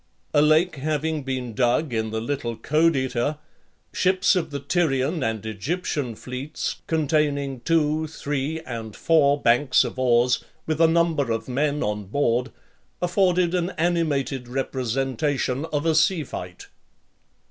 A lake having been dug in the little Codeta , ships of the Tyrian and Egyptian fleets, containing two, three, and four banks of oars, with a number of men on board, afforded an animated representation of a sea fight.